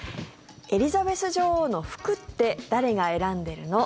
エリザベス女王の服って誰が選んでるの？